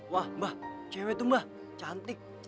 wah mbak cewek tuh mbak cantik